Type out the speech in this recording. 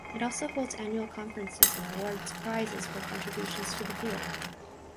It also holds annual conferences and awards prizes for contributions to the field.